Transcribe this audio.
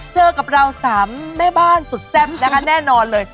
เจอกับเราสามแม่บ้านสุดแซ่บนะคะแน่นอนเลย